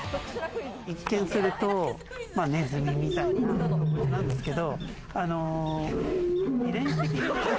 一見するとネズミみたいな動物なんですけど。